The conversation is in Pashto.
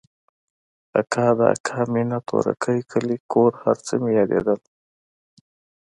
اکا د اکا مينه تورکى کلى کور هرڅه مې رايادېدل.